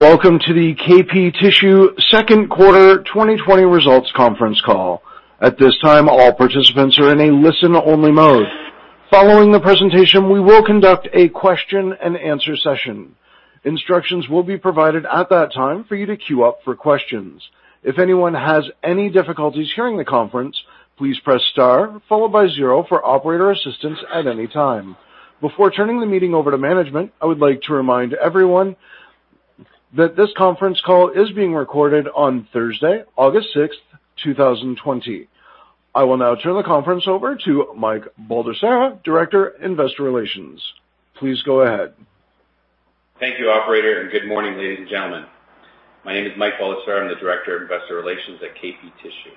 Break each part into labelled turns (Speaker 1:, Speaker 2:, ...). Speaker 1: Welcome to the KP Tissue second quarter 2020 results conference call. At this time, all participants are in a listen-only mode. Following the presentation, we will conduct a question-and-answer session. Instructions will be provided at that time for you to queue up for questions. If anyone has any difficulties hearing the conference, please press star followed by zero for operator assistance at any time. Before turning the meeting over to management, I would like to remind everyone that this conference call is being recorded on Thursday, August 6th, 2020. I will now turn the conference over to Mike Baldesarra, Director, Investor Relations. Please go ahead.
Speaker 2: Thank you, Operator, and good morning, ladies and gentlemen. My name is Mike Baldesarra. I'm the Director of Investor Relations at KP Tissue.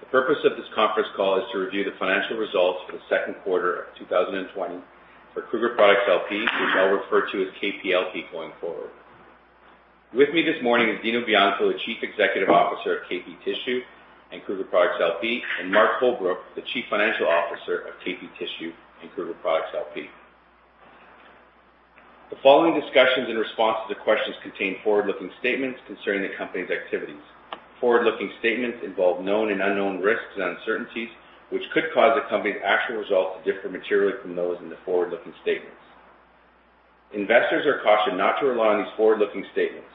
Speaker 2: The purpose of this conference call is to review the financial results for the second quarter of 2020 for Kruger Products LP, which I'll refer to as KP LP going forward. With me this morning is Dino Bianco, the Chief Executive Officer of KP Tissue and Kruger Products LP, and Mark Holbrook, the Chief Financial Officer of KP Tissue and Kruger Products LP. The following discussions and responses to questions contain forward-looking statements concerning the company's activities. Forward-looking statements involve known and unknown risks and uncertainties, which could cause the company's actual results to differ materially from those in the forward-looking statements. Investors are cautioned not to rely on these forward-looking statements.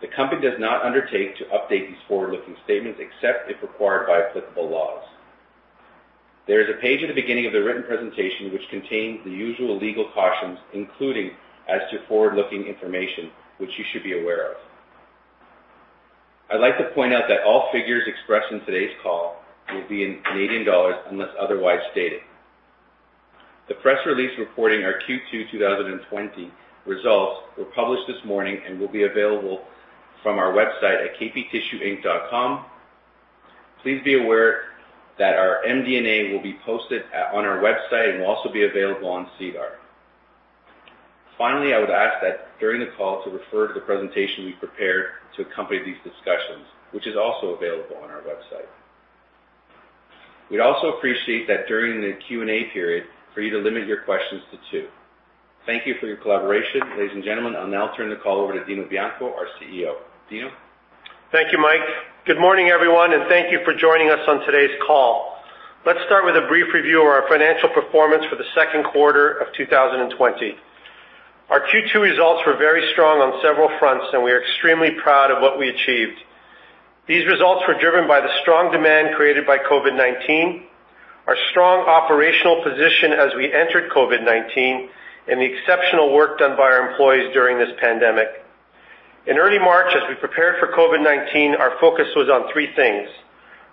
Speaker 2: The company does not undertake to update these forward-looking statements except if required by applicable laws. There is a page at the beginning of the written presentation which contains the usual legal cautions, including as to forward-looking information, which you should be aware of. I'd like to point out that all figures expressed in today's call will be in Canadian dollars unless otherwise stated. The press release reporting our Q2 2020 results was published this morning and will be available from our website at kptissue.com. Please be aware that our MD&A will be posted on our website and will also be available on SEDAR. Finally, I would ask that during the call to refer to the presentation we prepared to accompany these discussions, which is also available on our website. We'd also appreciate that during the Q&A period, for you to limit your questions to two. Thank you for your collaboration, ladies and gentlemen. I'll now turn the call over to Dino Bianco, our CEO. Dino?
Speaker 3: Thank you, Mike. Good morning, everyone, and thank you for joining us on today's call. Let's start with a brief review of our financial performance for the second quarter of 2020. Our Q2 results were very strong on several fronts, and we are extremely proud of what we achieved. These results were driven by the strong demand created by COVID-19, our strong operational position as we entered COVID-19, and the exceptional work done by our employees during this pandemic. In early March, as we prepared for COVID-19, our focus was on three things.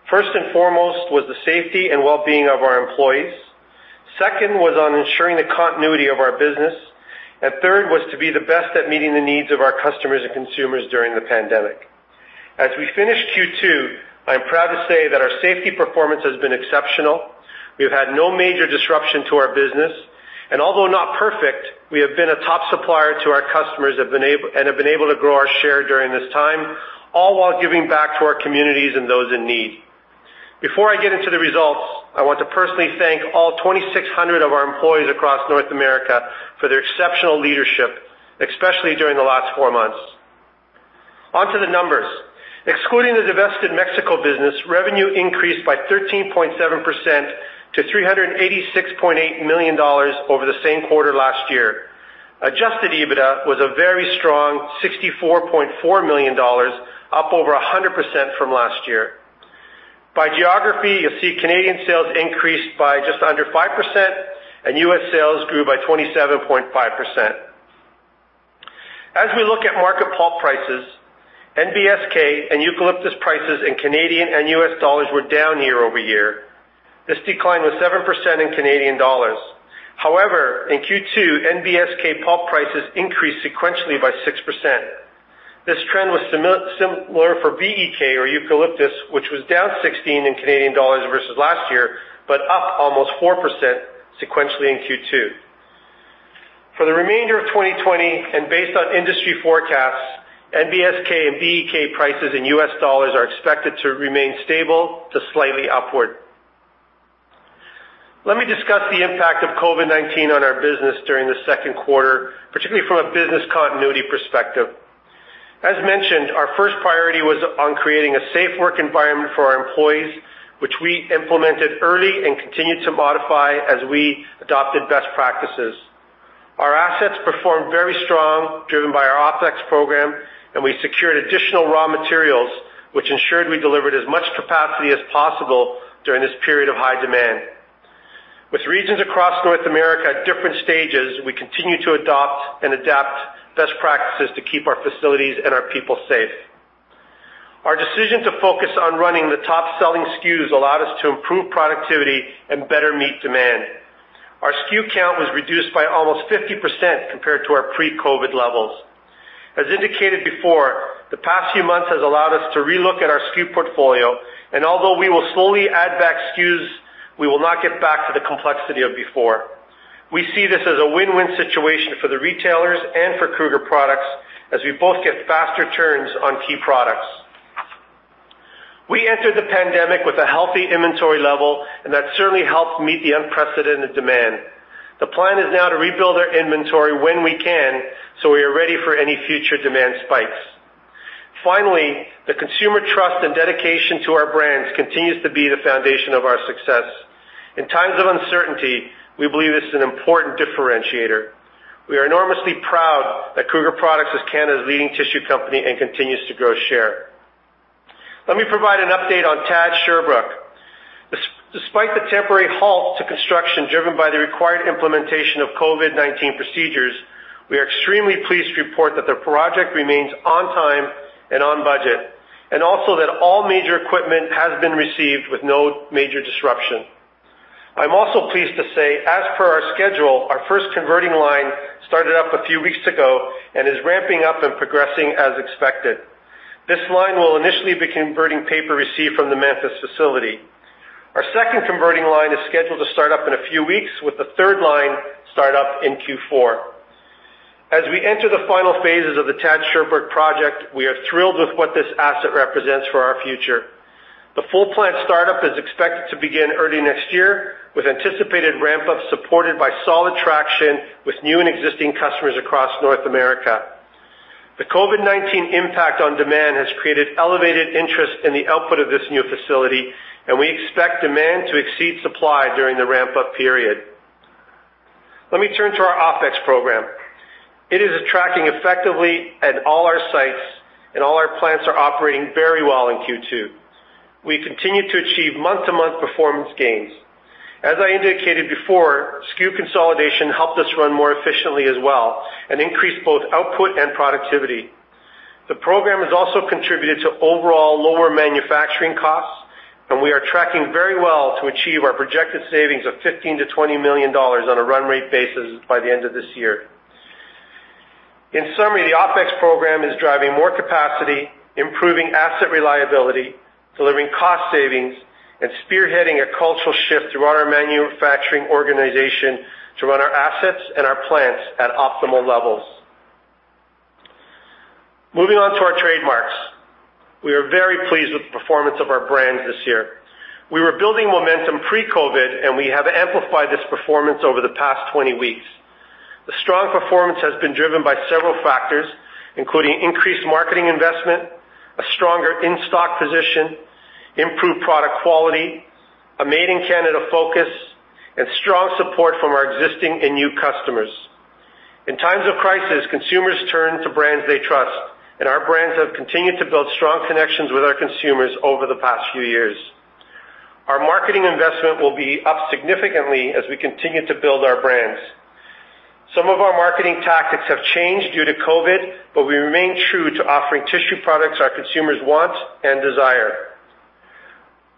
Speaker 3: First and foremost was the safety and well-being of our employees. Second was on ensuring the continuity of our business. And third was to be the best at meeting the needs of our customers and consumers during the pandemic. As we finish Q2, I'm proud to say that our safety performance has been exceptional. We have had no major disruption to our business. Although not perfect, we have been a top supplier to our customers and have been able to grow our share during this time, all while giving back to our communities and those in need. Before I get into the results, I want to personally thank all 2,600 of our employees across North America for their exceptional leadership, especially during the last four months. Onto the numbers. Excluding the divested Mexico business, revenue increased by 13.7% to 386.8 million dollars over the same quarter last year. Adjusted EBITDA was a very strong 64.4 million dollars, up over 100% from last year. By geography, you'll see Canadian sales increased by just under 5%, and U.S. sales grew by 27.5%. As we look at market pulp prices, NBSK and eucalyptus prices in Canadian and U.S. dollars were down year-over-year. This decline was 7% in Canadian dollars. However, in Q2, NBSK pulp prices increased sequentially by 6%. This trend was similar for BEK, or eucalyptus, which was down 16% in Canadian dollars versus last year, but up almost 4% sequentially in Q2. For the remainder of 2020, and based on industry forecasts, NBSK and BEK prices in U.S. dollars are expected to remain stable to slightly upward. Let me discuss the impact of COVID-19 on our business during the second quarter, particularly from a business continuity perspective. As mentioned, our first priority was on creating a safe work environment for our employees, which we implemented early and continued to modify as we adopted best practices. Our assets performed very strong, driven by our OpEx program, and we secured additional raw materials, which ensured we delivered as much capacity as possible during this period of high demand. With regions across North America at different stages, we continue to adopt and adapt best practices to keep our facilities and our people safe. Our decision to focus on running the top-selling SKUs allowed us to improve productivity and better meet demand. Our SKU count was reduced by almost 50% compared to our pre-COVID levels. As indicated before, the past few months have allowed us to relook at our SKU portfolio, and although we will slowly add back SKUs, we will not get back to the complexity of before. We see this as a win-win situation for the retailers and for Kruger Products, as we both get faster turns on key products. We entered the pandemic with a healthy inventory level, and that certainly helped meet the unprecedented demand. The plan is now to rebuild our inventory when we can, so we are ready for any future demand spikes. Finally, the consumer trust and dedication to our brands continues to be the foundation of our success. In times of uncertainty, we believe this is an important differentiator. We are enormously proud that Kruger Products is Canada's leading tissue company and continues to grow share. Let me provide an update on TAD Sherbrooke. Despite the temporary halt to construction driven by the required implementation of COVID-19 procedures, we are extremely pleased to report that the project remains on time and on budget, and also that all major equipment has been received with no major disruption. I'm also pleased to say, as per our schedule, our first converting line started up a few weeks ago and is ramping up and progressing as expected. This line will initially be converting paper received from the Memphis facility. Our second converting line is scheduled to start up in a few weeks, with the third line startup in Q4. As we enter the final phases of the TAD Sherbrooke project, we are thrilled with what this asset represents for our future. The full plant startup is expected to begin early next year, with anticipated ramp-up supported by solid traction with new and existing customers across North America. The COVID-19 impact on demand has created elevated interest in the output of this new facility, and we expect demand to exceed supply during the ramp-up period. Let me turn to our OpEx program. It is tracking effectively at all our sites, and all our plants are operating very well in Q2. We continue to achieve month-to-month performance gains. As I indicated before, SKU consolidation helped us run more efficiently as well and increased both output and productivity. The program has also contributed to overall lower manufacturing costs, and we are tracking very well to achieve our projected savings of 15 million-20 million dollars on a run-rate basis by the end of this year. In summary, the OpEx program is driving more capacity, improving asset reliability, delivering cost savings, and spearheading a cultural shift throughout our manufacturing organization to run our assets and our plants at optimal levels. Moving on to our trademarks, we are very pleased with the performance of our brands this year. We were building momentum pre-COVID, and we have amplified this performance over the past 20 weeks. The strong performance has been driven by several factors, including increased marketing investment, a stronger in-stock position, improved product quality, a made-in-Canada focus, and strong support from our existing and new customers. In times of crisis, consumers turn to brands they trust, and our brands have continued to build strong connections with our consumers over the past few years. Our marketing investment will be up significantly as we continue to build our brands. Some of our marketing tactics have changed due to COVID, but we remain true to offering tissue products our consumers want and desire.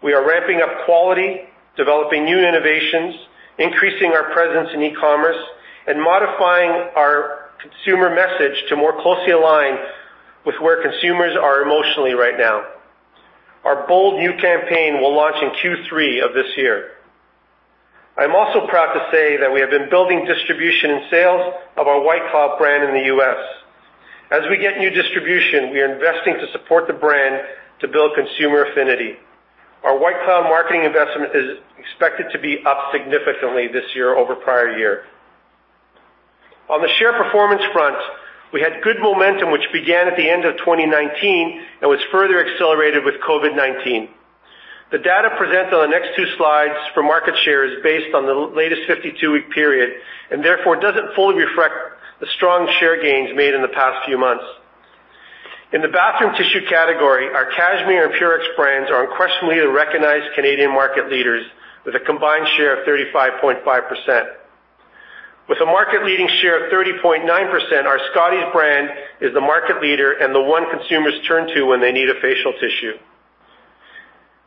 Speaker 3: We are ramping up quality, developing new innovations, increasing our presence in e-commerce, and modifying our consumer message to more closely align with where consumers are emotionally right now. Our bold new campaign will launch in Q3 of this year. I'm also proud to say that we have been building distribution and sales of our White Cloud brand in the U.S. As we get new distribution, we are investing to support the brand to build consumer affinity. Our White Cloud marketing investment is expected to be up significantly this year over prior years. On the share performance front, we had good momentum, which began at the end of 2019 and was further accelerated with COVID-19. The data presented on the next two slides for market share is based on the latest 52-week period and therefore doesn't fully reflect the strong share gains made in the past few months. In the bathroom tissue category, our Cashmere and Purex brands are unquestionably the recognized Canadian market leaders, with a combined share of 35.5%. With a market-leading share of 30.9%, our Scotties brand is the market leader and the one consumers turn to when they need a facial tissue.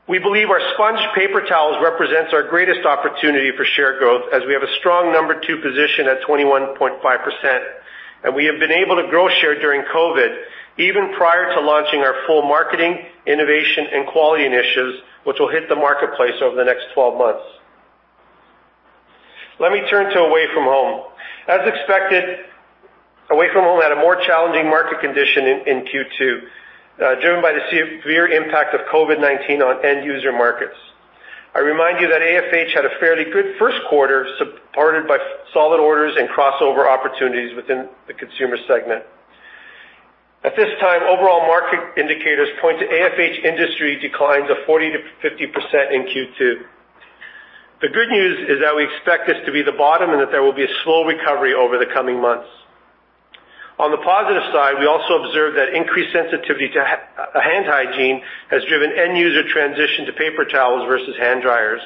Speaker 3: We believe our SpongeTowels paper towels represents our greatest opportunity for share growth, as we have a strong number two position at 21.5%, and we have been able to grow share during COVID, even prior to launching our full marketing, innovation, and quality initiatives, which will hit the marketplace over the next 12 months. Let me turn to away-from-home. As expected, away-from-home had a more challenging market condition in Q2, driven by the severe impact of COVID-19 on end-user markets. I remind you that AFH had a fairly good first quarter, supported by solid orders and crossover opportunities within the consumer segment. At this time, overall market indicators point to AFH industry declines of 40%-50% in Q2. The good news is that we expect this to be the bottom and that there will be a slow recovery over the coming months. On the positive side, we also observed that increased sensitivity to hand hygiene has driven end-user transition to paper towels versus hand dryers.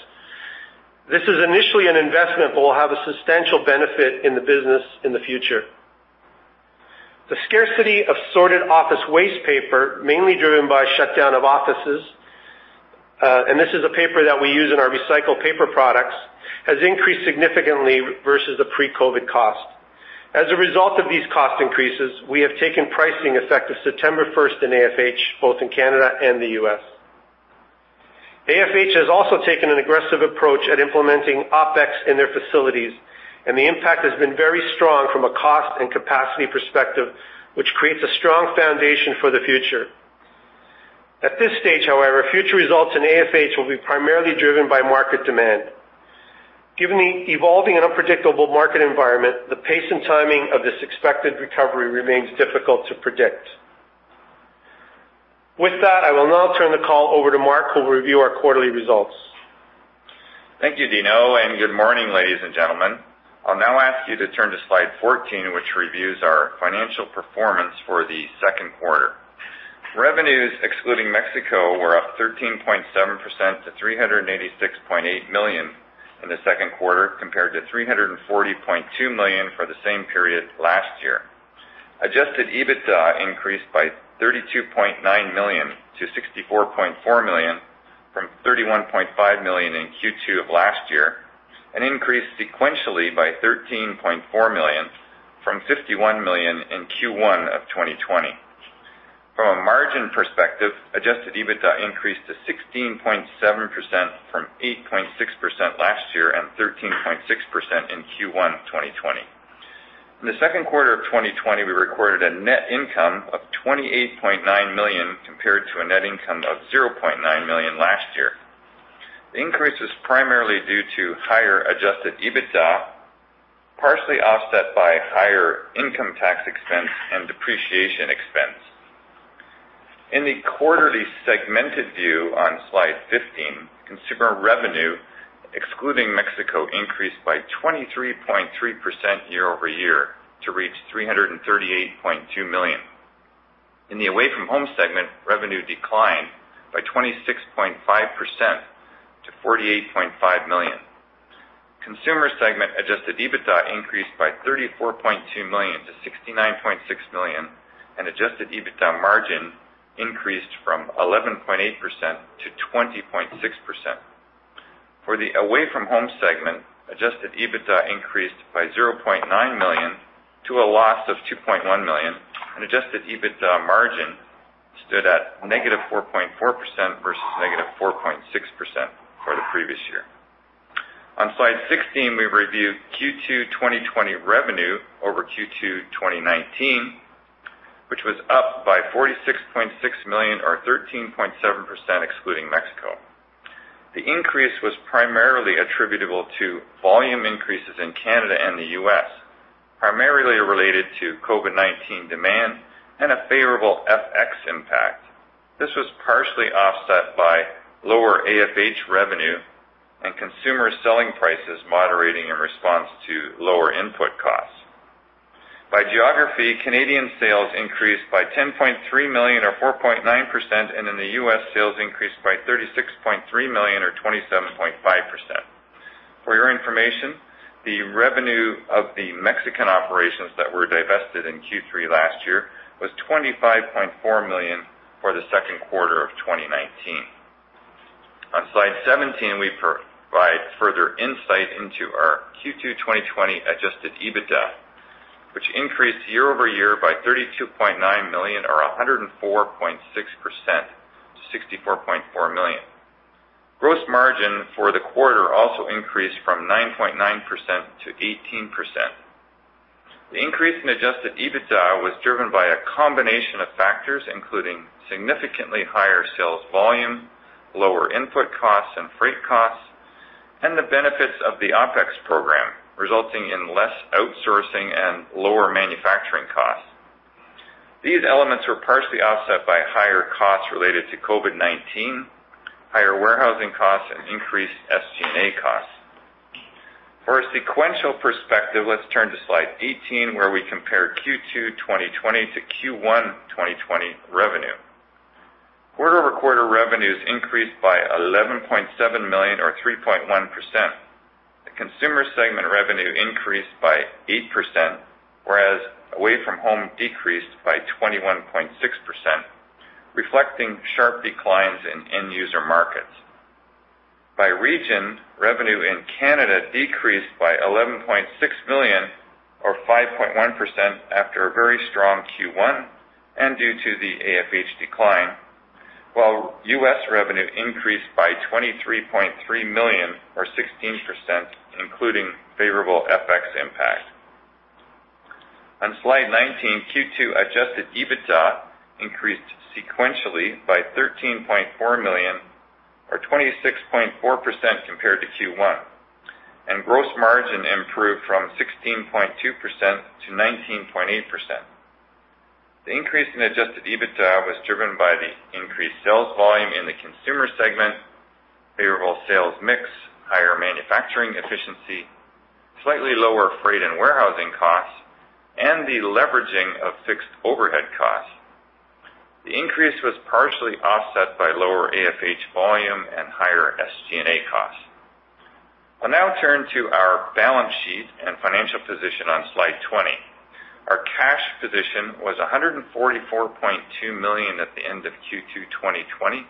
Speaker 3: This is initially an investment, but will have a substantial benefit in the business in the future. The scarcity of sorted office waste paper, mainly driven by shutdown of offices, and this is a paper that we use in our recycled paper products, has increased significantly versus the pre-COVID cost. As a result of these cost increases, we have taken pricing effective September 1st in AFH, both in Canada and the U.S. AFH has also taken an aggressive approach at implementing OpEx in their facilities, and the impact has been very strong from a cost and capacity perspective, which creates a strong foundation for the future. At this stage, however, future results in AFH will be primarily driven by market demand. Given the evolving and unpredictable market environment, the pace and timing of this expected recovery remains difficult to predict. With that, I will now turn the call over to Mark, who will review our quarterly results.
Speaker 4: Thank you, Dino, and good morning, ladies and gentlemen. I'll now ask you to turn to slide 14, which reviews our financial performance for the second quarter. Revenues, excluding Mexico, were up 13.7% to 386.8 million in the second quarter, compared to 340.2 million for the same period last year. Adjusted EBITDA increased by 32.9 million to 64.4 million from 31.5 million in Q2 of last year, and increased sequentially by 13.4 million from 51 million in Q1 of 2020. From a margin perspective, Adjusted EBITDA increased to 16.7% from 8.6% last year and 13.6% in Q1 2020. In the second quarter of 2020, we recorded a net income of 28.9 million compared to a net income of 0.9 million last year. The increase was primarily due to higher Adjusted EBITDA, partially offset by higher income tax expense and depreciation expense. In the quarterly segmented view on slide 15, consumer revenue, excluding Mexico, increased by 23.3% year-over-year to reach 338.2 million. In the away from home segment, revenue declined by 26.5% to 48.5 million. Consumer segment Adjusted EBITDA increased by 34.2 million to 69.6 million, and Adjusted EBITDA margin increased from 11.8% to 20.6%. For the away from home segment, Adjusted EBITDA increased by 0.9 million to a loss of 2.1 million, and Adjusted EBITDA margin stood at -4.4% versus -4.6% for the previous year. On slide 16, we reviewed Q2 2020 revenue over Q2 2019, which was up by 46.6 million, or 13.7% excluding Mexico. The increase was primarily attributable to volume increases in Canada and the U.S., primarily related to COVID-19 demand and a favorable FX impact. This was partially offset by lower AFH revenue and consumer selling prices moderating in response to lower input costs. By geography, Canadian sales increased by 10.3 million, or 4.9%, and in the U.S., sales increased by 36.3 million, or 27.5%. For your information, the revenue of the Mexican operations that were divested in Q3 last year was 25.4 million for the second quarter of 2019. On slide 17, we provide further insight into our Q2 2020 Adjusted EBITDA, which increased year-over-year by 32.9 million, or 104.6% to 64.4 million. Gross margin for the quarter also increased from 9.9% to 18%. The increase in Adjusted EBITDA was driven by a combination of factors, including significantly higher sales volume, lower input costs and freight costs, and the benefits of the OpEx program, resulting in less outsourcing and lower manufacturing costs. These elements were partially offset by higher costs related to COVID-19, higher warehousing costs, and increased SG&A costs. For a sequential perspective, let's turn to slide 18, where we compare Q2 2020 to Q1 2020 revenue. Quarter-over-quarter revenues increased by 11.7 million, or 3.1%. The consumer segment revenue increased by 8%, whereas away from home decreased by 21.6%, reflecting sharp declines in end-user markets. By region, revenue in Canada decreased by 11.6 million, or 5.1%, after a very strong Q1 and due to the AFH decline, while U.S. revenue increased by 23.3 million, or 16%, including favorable FX impact. On slide 19, Q2 Adjusted EBITDA increased sequentially by 13.4 million, or 26.4% compared to Q1, and gross margin improved from 16.2% to 19.8%. The increase in Adjusted EBITDA was driven by the increased sales volume in the consumer segment, favorable sales mix, higher manufacturing efficiency, slightly lower freight and warehousing costs, and the leveraging of fixed overhead costs. The increase was partially offset by lower AFH volume and higher SG&A costs. I'll now turn to our balance sheet and financial position on slide 20. Our cash position was 144.2 million at the end of Q2 2020,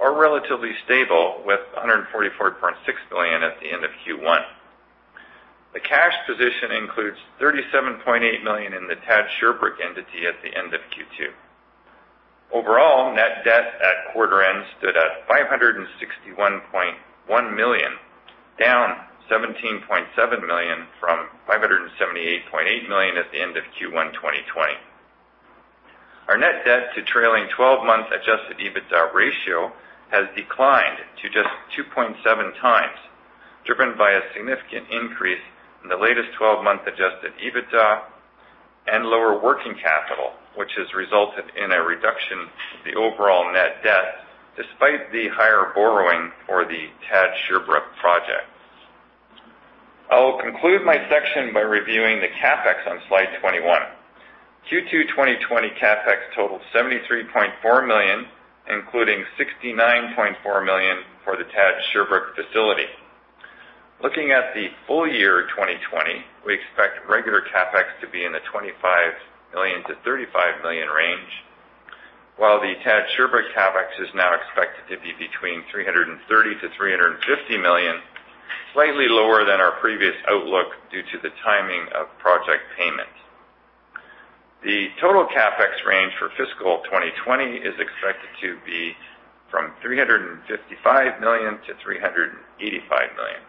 Speaker 4: or relatively stable, with 144.6 million at the end of Q1. The cash position includes 37.8 million in the TAD Sherbrooke entity at the end of Q2. Overall, net debt at quarter-end stood at 561.1 million, down 17.7 million from 578.8 million at the end of Q1 2020. Our net debt to trailing 12-month Adjusted EBITDA ratio has declined to just 2.7x, driven by a significant increase in the latest 12-month Adjusted EBITDA and lower working capital, which has resulted in a reduction in the overall net debt, despite the higher borrowing for the TAD Sherbrooke project. I'll conclude my section by reviewing the CapEx on slide 21. Q2 2020 CapEx totaled 73.4 million, including 69.4 million for the TAD Sherbrooke facility. Looking at the full year 2020, we expect regular CapEx to be in the 25 million-35 million range, while the TAD Sherbrooke CapEx is now expected to be between 330 million-350 million, slightly lower than our previous outlook due to the timing of project payments. The total CapEx range for fiscal 2020 is expected to be from 355 million-385 million.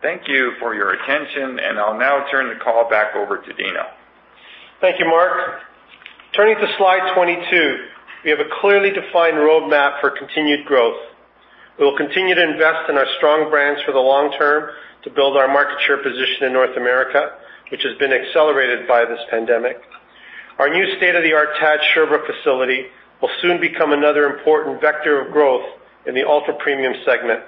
Speaker 4: Thank you for your attention, and I'll now turn the call back over to Dino.
Speaker 3: Thank you, Mark. Turning to slide 22, we have a clearly defined roadmap for continued growth. We will continue to invest in our strong brands for the long term to build our market share position in North America, which has been accelerated by this pandemic. Our new state-of-the-art TAD Sherbrooke facility will soon become another important vector of growth in the ultra-premium segment.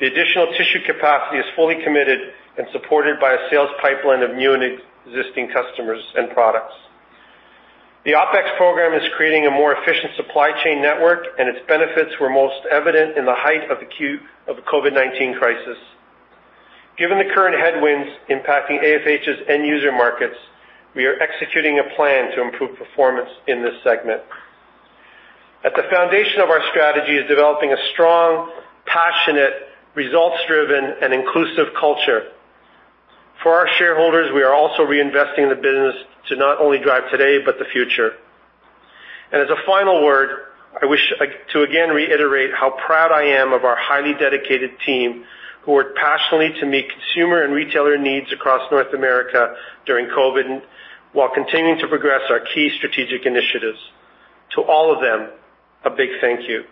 Speaker 3: The additional tissue capacity is fully committed and supported by a sales pipeline of new and existing customers and products. The OpEx program is creating a more efficient supply chain network, and its benefits were most evident in the height of the COVID-19 crisis. Given the current headwinds impacting AFH's end-user markets, we are executing a plan to improve performance in this segment. At the foundation of our strategy is developing a strong, passionate, results-driven, and inclusive culture. For our shareholders, we are also reinvesting the business to not only drive today but the future. As a final word, I wish to again reiterate how proud I am of our highly dedicated team who worked passionately to meet consumer and retailer needs across North America during COVID while continuing to progress our key strategic initiatives. To all of them, a big thank you.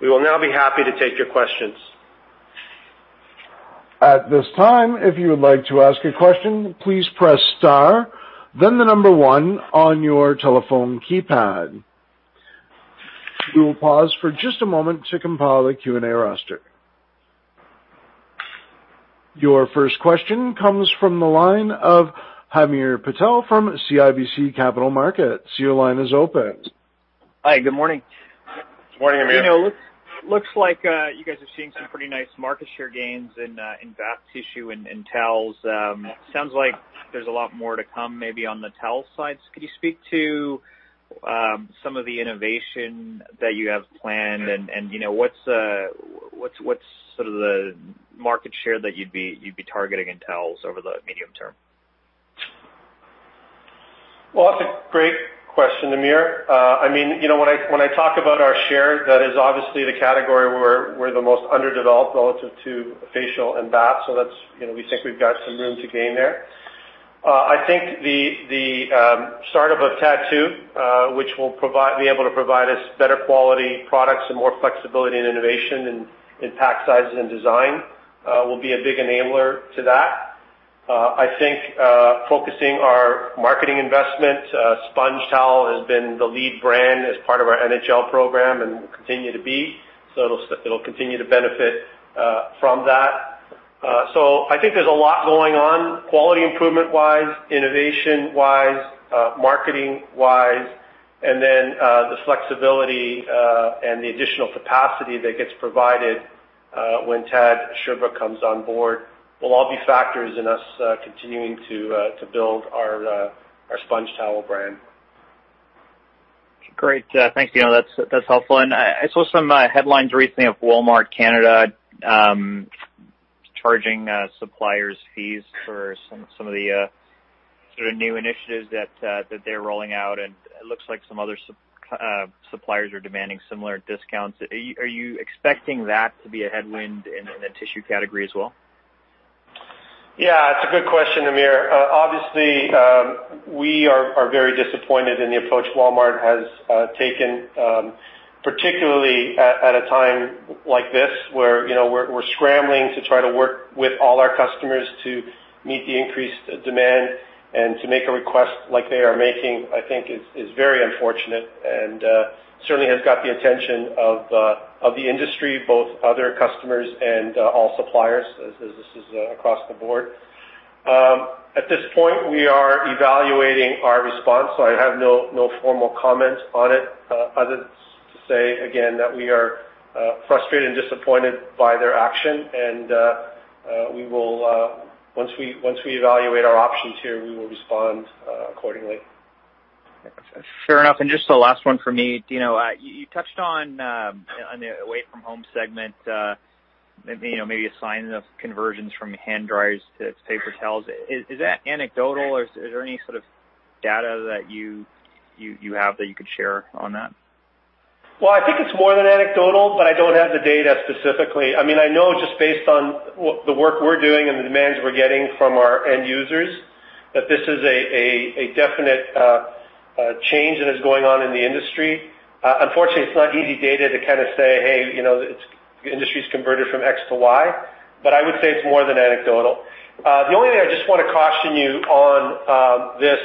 Speaker 3: We will now be happy to take your questions.
Speaker 1: At this time, if you would like to ask a question, please press star, then the number one on your telephone keypad. We will pause for just a moment to compile the Q&A roster. Your first question comes from the line of Hamir Patel from CIBC Capital Markets. Your line is open.
Speaker 5: Hi, good morning.
Speaker 3: Good morning, Hamir.
Speaker 5: Dino, looks like you guys are seeing some pretty nice market share gains in bath tissue and towels. Sounds like there's a lot more to come maybe on the towel side. Could you speak to some of the innovation that you have planned and what's sort of the market share that you'd be targeting in towels over the medium term?
Speaker 3: Well, that's a great question, Hamir. I mean, when I talk about our share, that is obviously the category where we're the most underdeveloped relative to facial and bath, so we think we've got some room to gain there. I think the startup of TAD II, which will be able to provide us better quality products and more flexibility and innovation in pack sizes and design, will be a big enabler to that. I think focusing our marketing investment, SpongeTowels has been the lead brand as part of our NHL program and will continue to be, so it'll continue to benefit from that. So I think there's a lot going on, quality improvement-wise, innovation-wise, marketing-wise, and then the flexibility and the additional capacity that gets provided when TAD Sherbrooke comes on board will all be factors in us continuing to build our SpongeTowels brand.
Speaker 5: Great. Thanks, Dino. That's helpful. I saw some headlines recently of Walmart Canada charging suppliers' fees for some of the sort of new initiatives that they're rolling out, and it looks like some other suppliers are demanding similar discounts. Are you expecting that to be a headwind in the tissue category as well?
Speaker 3: Yeah, it's a good question, Hamir. Obviously, we are very disappointed in the approach Walmart has taken, particularly at a time like this where we're scrambling to try to work with all our customers to meet the increased demand and to make a request like they are making, I think, is very unfortunate and certainly has got the attention of the industry, both other customers and all suppliers, as this is across the board. At this point, we are evaluating our response, so I have no formal comment on it other than to say, again, that we are frustrated and disappointed by their action, and once we evaluate our options here, we will respond accordingly.
Speaker 5: Fair enough. Just the last one for me, Dino. You touched on the away-from-home segment, maybe a sign of conversions from hand dryers to paper towels. Is that anecdotal, or is there any sort of data that you have that you could share on that?
Speaker 3: Well, I think it's more than anecdotal, but I don't have the data specifically. I mean, I know just based on the work we're doing and the demands we're getting from our end users that this is a definite change that is going on in the industry. Unfortunately, it's not easy data to kind of say, "Hey, the industry's converted from X to Y," but I would say it's more than anecdotal. The only thing I just want to caution you on this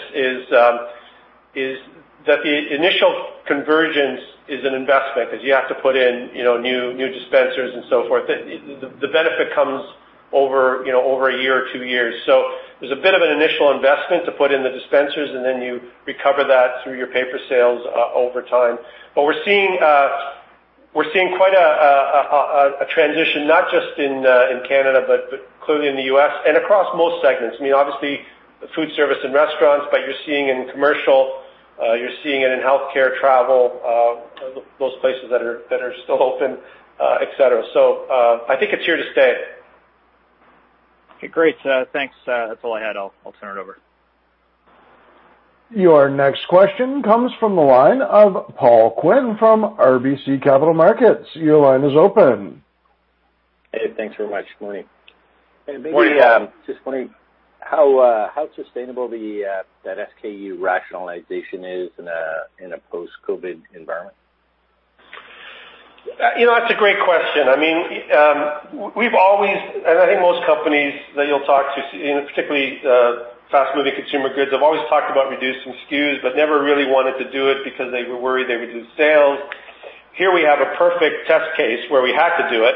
Speaker 3: is that the initial conversion is an investment because you have to put in new dispensers and so forth. The benefit comes over a year or two years. So there's a bit of an initial investment to put in the dispensers, and then you recover that through your paper sales over time. But we're seeing quite a transition, not just in Canada but clearly in the U.S. and across most segments. I mean, obviously, food service and restaurants, but you're seeing it in commercial, you're seeing it in healthcare, travel, those places that are still open, etc. So I think it's here to stay.
Speaker 5: Okay, great. Thanks. That's all I had. I'll turn it over.
Speaker 1: Your next question comes from the line of Paul Quinn from RBC Capital Markets. Your line is open.
Speaker 6: Hey, thanks very much. Good morning.
Speaker 3: Morning.
Speaker 6: Just morning. How sustainable that SKU rationalization is in a post-COVID environment?
Speaker 3: That's a great question. I mean, we've always, and I think most companies that you'll talk to, particularly fast-moving consumer goods, have always talked about reducing SKUs but never really wanted to do it because they were worried they would lose sales. Here we have a perfect test case where we had to do it.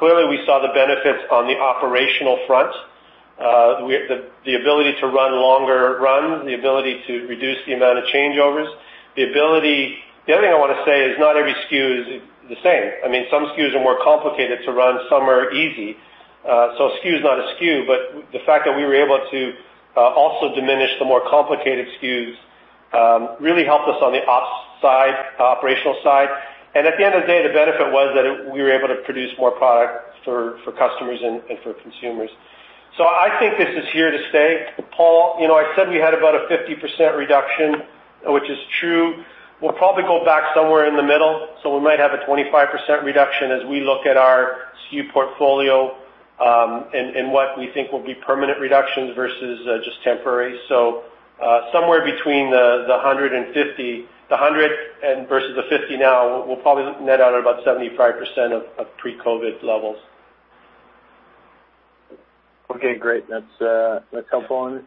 Speaker 3: Clearly, we saw the benefits on the operational front: the ability to run longer runs, the ability to reduce the amount of changeovers, the ability, the other thing I want to say is not every SKU is the same. I mean, some SKUs are more complicated to run, some are easy. SKU is not a SKU, but the fact that we were able to also diminish the more complicated SKUs really helped us on the ops side, operational side. At the end of the day, the benefit was that we were able to produce more product for customers and for consumers. I think this is here to stay. Paul, I said we had about a 50% reduction, which is true. We'll probably go back somewhere in the middle, so we might have a 25% reduction as we look at our SKU portfolio and what we think will be permanent reductions versus just temporary. Somewhere between the 100 and 50 now, we'll probably net out at about 75% of pre-COVID levels.
Speaker 6: Okay, great. That's helpful.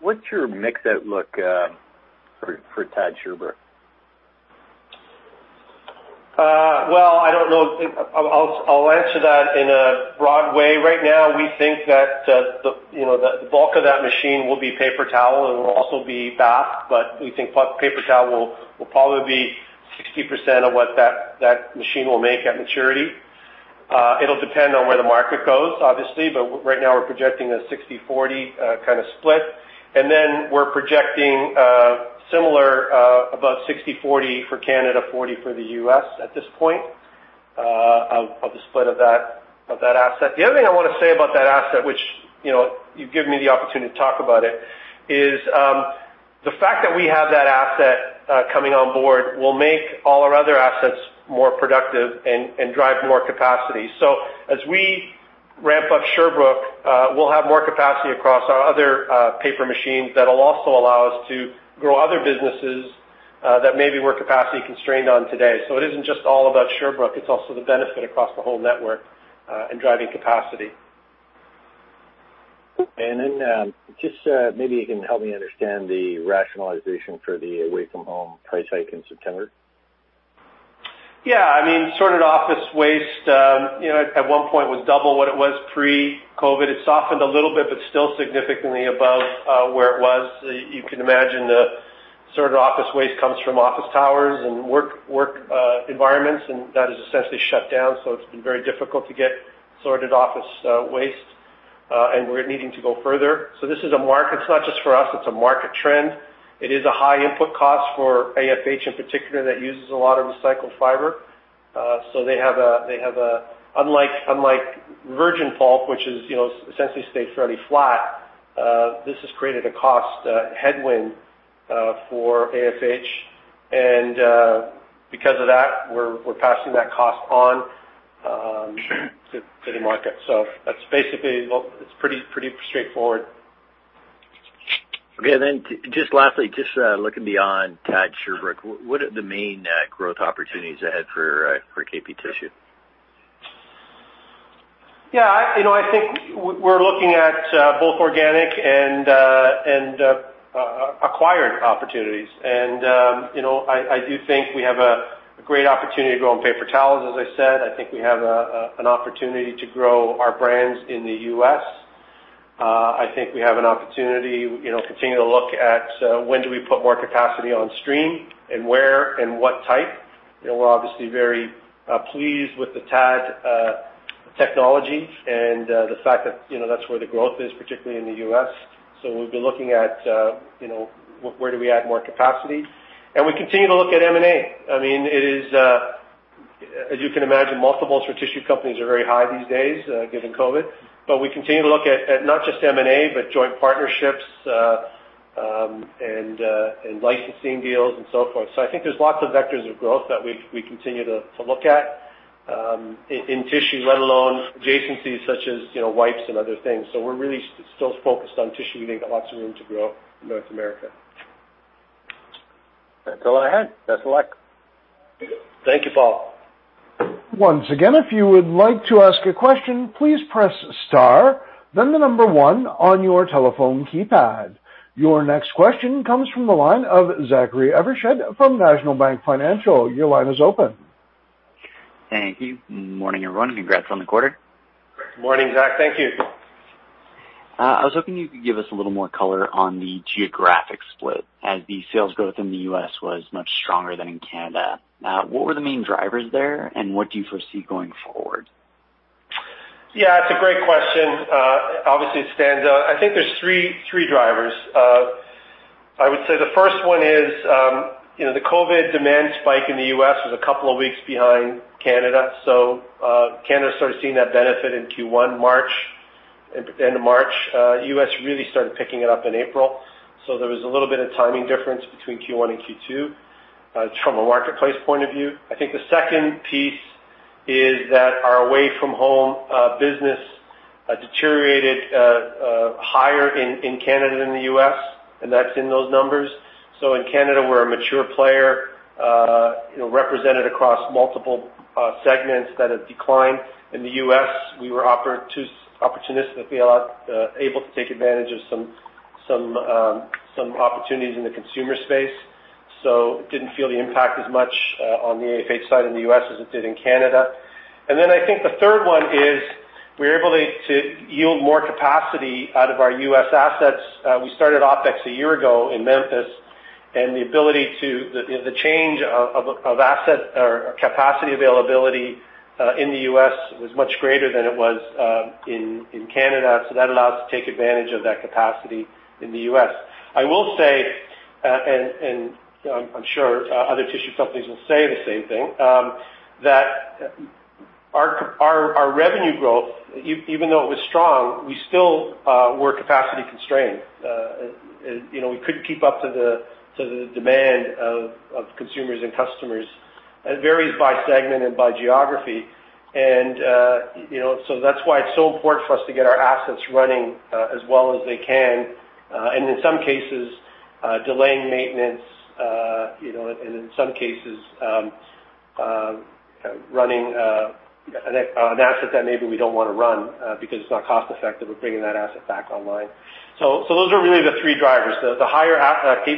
Speaker 6: What's your mix-out look for TAD Sherbrooke?
Speaker 3: Well, I don't know. I'll answer that in a broad way. Right now, we think that the bulk of that machine will be paper towel and will also be bath, but we think paper towel will probably be 60% of what that machine will make at maturity. It'll depend on where the market goes, obviously, but right now we're projecting a 60/40 kind of split. And then we're projecting similar about 60/40 for Canada, 40 for the U.S. at this point of the split of that asset. The other thing I want to say about that asset, which you've given me the opportunity to talk about it, is the fact that we have that asset coming on board will make all our other assets more productive and drive more capacity. So as we ramp upSherbrooke, we'll have more capacity across our other paper machines that'll also allow us to grow other businesses that maybe we're capacity constrained on today. So it isn't just all aboutSherbrooke. It's also the benefit across the whole network and driving capacity.
Speaker 6: Then just maybe you can help me understand the rationalization for the away-from-home price hike in September?
Speaker 3: Yeah. I mean, sorted office waste at one point was double what it was pre-COVID. It softened a little bit but still significantly above where it was. You can imagine the sorted office waste comes from office towers and work environments, and that has essentially shut down, so it's been very difficult to get sorted office waste, and we're needing to go further. So this is a market. It's not just for us. It's a market trend. It is a high input cost for AFH in particular that uses a lot of recycled fiber. So they have a, unlike virgin pulp, which has essentially stayed fairly flat, this has created a cost headwind for AFH. And because of that, we're passing that cost on to the market. So that's basically. Well, it's pretty straightforward.
Speaker 6: Okay. And then just lastly, just looking beyond TAD Sherbrooke, what are the main growth opportunities ahead for KP Tissue?
Speaker 3: Yeah. I think we're looking at both organic and acquired opportunities. And I do think we have a great opportunity to grow on paper towels, as I said. I think we have an opportunity to grow our brands in the U.S. I think we have an opportunity to continue to look at when do we put more capacity on stream and where and what type. We're obviously very pleased with the TAD technology and the fact that that's where the growth is, particularly in the U.S. So we'll be looking at where do we add more capacity. And we continue to look at M&A. I mean, it is, as you can imagine, multiples for tissue companies are very high these days given COVID. But we continue to look at not just M&A, but joint partnerships and licensing deals and so forth. So I think there's lots of vectors of growth that we continue to look at in tissue, let alone adjacencies such as wipes and other things. So we're really still focused on tissue. We think there's lots of room to grow in North America.
Speaker 6: That's all I had. Best of luck.
Speaker 3: Thank you, Paul.
Speaker 1: Once again, if you would like to ask a question, please press star, then the number one on your telephone keypad. Your next question comes from the line of Zachary Evershed from National Bank Financial. Your line is open.
Speaker 7: Thank you. Good morning, everyone. Congrats on the quarter.
Speaker 3: Good morning, Zach. Thank you.
Speaker 7: I was hoping you could give us a little more color on the geographic split as the sales growth in the U.S. was much stronger than in Canada. What were the main drivers there, and what do you foresee going forward?
Speaker 3: Yeah, it's a great question. Obviously, it stands out. I think there's three drivers. I would say the first one is the COVID demand spike in the U.S. was a couple of weeks behind Canada. So Canada started seeing that benefit in Q1, March, end of March. The U.S. really started picking it up in April. So there was a little bit of timing difference between Q1 and Q2 from a marketplace point of view. I think the second piece is that our away from home business deteriorated higher in Canada than the U.S., and that's in those numbers. So in Canada, we're a mature player represented across multiple segments that have declined. In the U.S., we were opportunistically able to take advantage of some opportunities in the consumer space. So it didn't feel the impact as much on the AFH side in the U.S. as it did in Canada. And then I think the third one is we're able to yield more capacity out of our U.S. assets. We started OpEx a year ago in Memphis, and the ability to—the change of asset or capacity availability in the U.S. was much greater than it was in Canada. So that allows us to take advantage of that capacity in the U.S. I will say, and I'm sure other tissue companies will say the same thing, that our revenue growth, even though it was strong, we still were capacity constrained. We couldn't keep up to the demand of consumers and customers. It varies by segment and by geography. And so that's why it's so important for us to get our assets running as well as they can, and in some cases, delaying maintenance, and in some cases, running an asset that maybe we don't want to run because it's not cost-effective of bringing that asset back online. So those are really the three drivers: the higher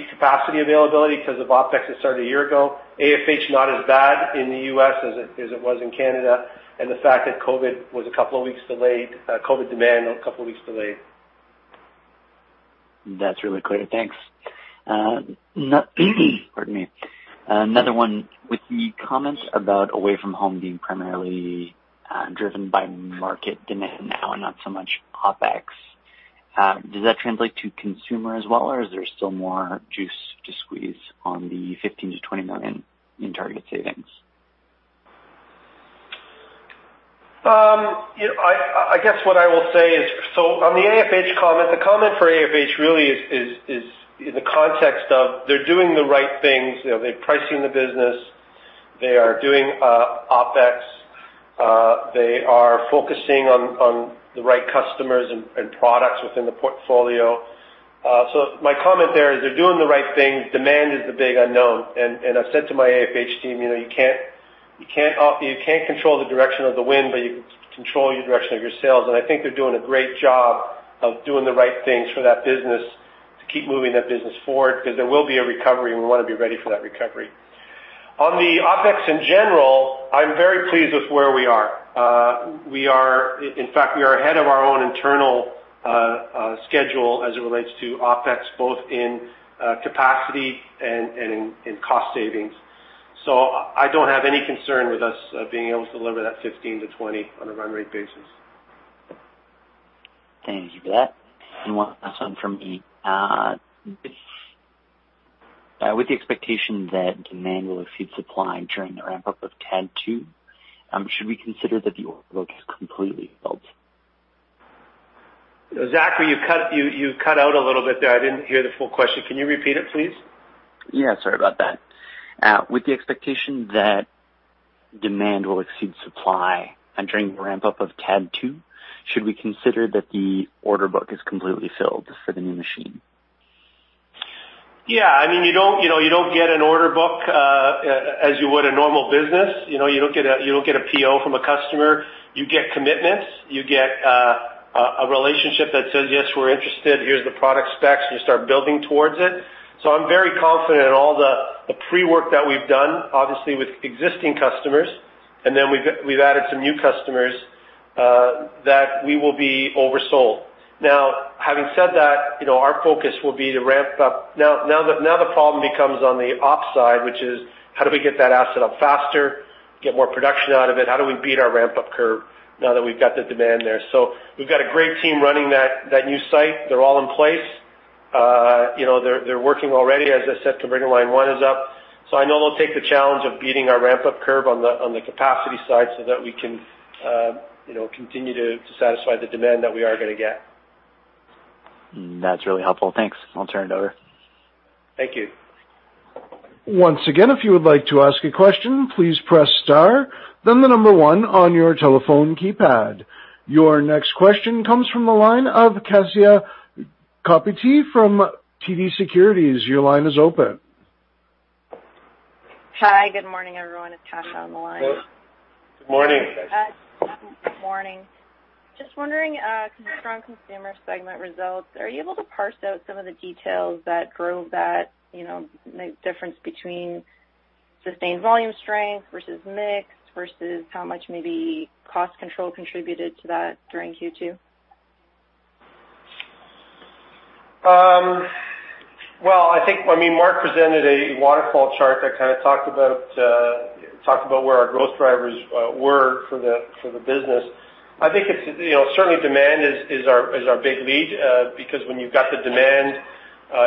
Speaker 3: capacity availability because of OpEx that started a year ago, AFH not as bad in the U.S. as it was in Canada, and the fact that COVID was a couple of weeks delayed, COVID demand a couple of weeks delayed.
Speaker 7: That's really clear. Thanks. Pardon me. Another one with the comment about away from home being primarily driven by market demand now and not so much OpEx. Does that translate to consumer as well, or is there still more juice to squeeze on the 15 million-20 million in target savings?
Speaker 3: I guess what I will say is, so on the AFH comment, the comment for AFH really is in the context of they're doing the right things. They're pricing the business. They are doing OpEx. They are focusing on the right customers and products within the portfolio. So my comment there is they're doing the right thing. Demand is the big unknown. And I've said to my AFH team, "You can't control the direction of the wind, but you can control your direction of your sales." And I think they're doing a great job of doing the right things for that business to keep moving that business forward because there will be a recovery, and we want to be ready for that recovery. On the OpEx in general, I'm very pleased with where we are. In fact, we are ahead of our own internal schedule as it relates to OpEx, both in capacity and in cost savings. So I don't have any concern with us being able to deliver that 15 million-CAD20 million on a run rate basis.
Speaker 7: Thank you for that. One last one from me. With the expectation that demand will exceed supply during the ramp-up of TAD 2, should we consider that the overload has completely filled?
Speaker 3: Zach, you cut out a little bit there. I didn't hear the full question. Can you repeat it, please?
Speaker 7: Yeah. Sorry about that. With the expectation that demand will exceed supply during the ramp-up of TAD 2, should we consider that the order book is completely filled for the new machine?
Speaker 3: Yeah. I mean, you don't get an order book as you would a normal business. You don't get a PO from a customer. You get commitments. You get a relationship that says, "Yes, we're interested. Here's the product specs," and you start building towards it. So I'm very confident in all the pre-work that we've done, obviously, with existing customers, and then we've added some new customers that we will be oversold. Now, having said that, our focus will be to ramp up. Now the problem becomes on the ops side, which is how do we get that asset up faster, get more production out of it? How do we beat our ramp-up curve now that we've got the demand there? So we've got a great team running that new site. They're all in place. They're working already. As I said, converter line one is up. I know they'll take the challenge of beating our ramp-up curve on the capacity side so that we can continue to satisfy the demand that we are going to get.
Speaker 7: That's really helpful. Thanks. I'll turn it over.
Speaker 3: Thank you.
Speaker 1: Once again, if you would like to ask a question, please press star, then the number one on your telephone keypad. Your next question comes from the line of Kasia Kopytek from TD Securities. Your line is open.
Speaker 8: Hi. Good morning, everyone. It's Kasia on the line.
Speaker 3: Good morning.
Speaker 8: Good morning. Just wondering, from strong consumer segment results, are you able to parse out some of the details that drove that difference between sustained volume strength versus mixed versus how much maybe cost control contributed to that during Q2?
Speaker 3: Well, I mean, Mark presented a waterfall chart that kind of talked about where our growth drivers were for the business. I think certainly demand is our big lead because when you've got the demand,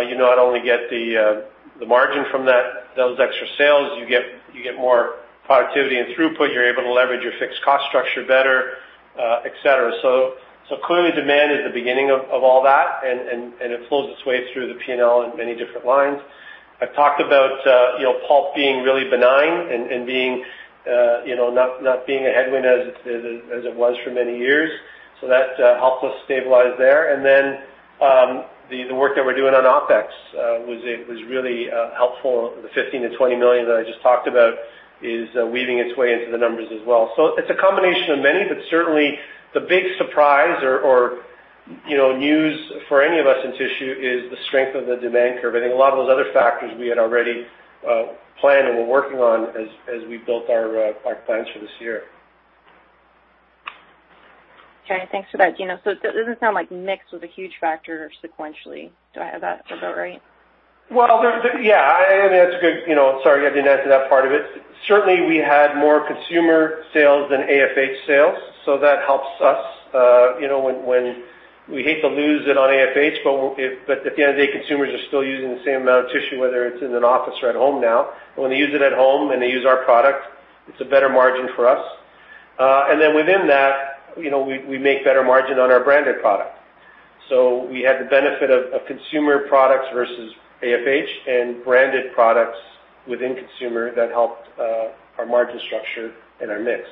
Speaker 3: you not only get the margin from those extra sales, you get more productivity and throughput. You're able to leverage your fixed cost structure better, etc. So clearly, demand is the beginning of all that, and it flows its way through the P&L and many different lines. I've talked about pulp being really benign and not being a headwind as it was for many years. So that helped us stabilize there. And then the work that we're doing on OpEx was really helpful. The 15 million-20 million that I just talked about is weaving its way into the numbers as well. It's a combination of many, but certainly the big surprise or news for any of us in tissue is the strength of the demand curve. I think a lot of those other factors we had already planned and were working on as we built our plans for this year.
Speaker 8: Okay. Thanks for that, Dino. So it doesn't sound like mixed was a huge factor sequentially. Do I have that about right?
Speaker 3: Well, yeah. I mean, that's a good - sorry, I didn't answer that part of it. Certainly, we had more consumer sales than AFH sales. So that helps us when we hate to lose it on AFH, but at the end of the day, consumers are still using the same amount of tissue, whether it's in an office or at home now. But when they use it at home and they use our product, it's a better margin for us. And then within that, we make better margin on our branded product. So we had the benefit of consumer products versus AFH and branded products within consumer that helped our margin structure and our mix.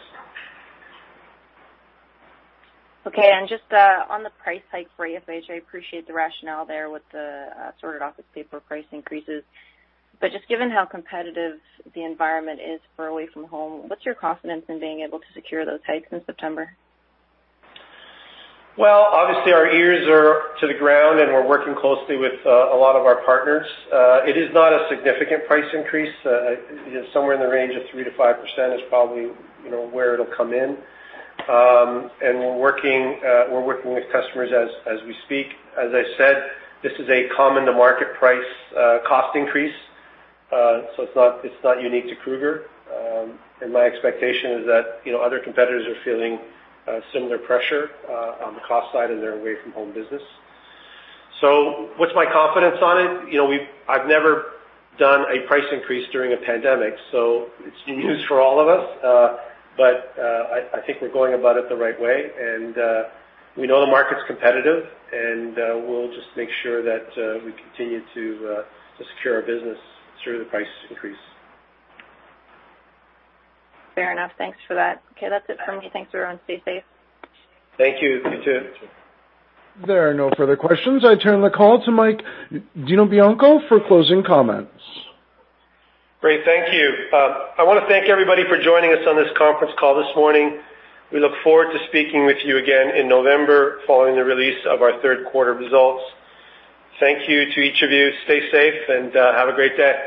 Speaker 8: Okay. Just on the price hike for AFH, I appreciate the rationale there with the sorted office paper price increases. Just given how competitive the environment is for away from home, what's your confidence in being able to secure those hikes in September?
Speaker 3: Well, obviously, our ears are to the ground, and we're working closely with a lot of our partners. It is not a significant price increase. Somewhere in the range of 3%-5% is probably where it'll come in. We're working with customers as we speak. As I said, this is a cost-to-market price increase. It's not unique to Kruger. My expectation is that other competitors are feeling similar pressure on the cost side in their away-from-home business. So what's my confidence on it? I've never done a price increase during a pandemic, so it's news for all of us. I think we're going about it the right way. We know the market's competitive, and we'll just make sure that we continue to secure our business through the price increase.
Speaker 8: Fair enough. Thanks for that. Okay. That's it from me. Thanks, everyone. Stay safe.
Speaker 3: Thank you. You too.
Speaker 1: There are no further questions. I turn the call to Mike Dino Bianco for closing comments.
Speaker 3: Great. Thank you. I want to thank everybody for joining us on this conference call this morning. We look forward to speaking with you again in November following the release of our third quarter results. Thank you to each of you. Stay safe and have a great day.